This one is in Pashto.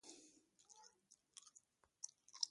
که پروفيسر د امريکايانو لاس ته ورته.